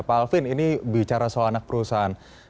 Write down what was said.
pak alvin ini bicara soal anak perusahaan